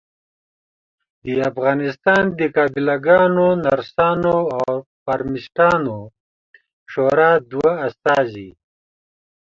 د افغانستان د قابلګانو ، نرسانو او فارمیسټانو شورا دوه استازي